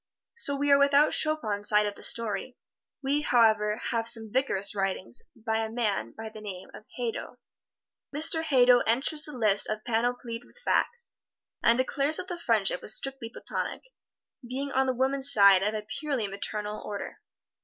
So we are without Chopin's side of the story. We, however, have some vigorous writing by a man by the name of Hadow. Mr. Hadow enters the lists panoplied with facts, and declares that the friendship was strictly platonic, being on the woman's side of a purely maternal order.